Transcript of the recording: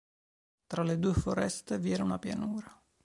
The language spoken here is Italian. Tra le due foreste vi era una pianura.